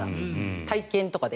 体験とかで。